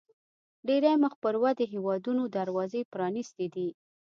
ډېری مخ پر ودې هیوادونو دروازې پرانیستې دي.